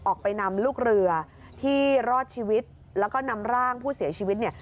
ออกไปนำลูกเรือที่รอดชีวิตแล้วก็นำร่างผู้เสียชีวิตเนี่ย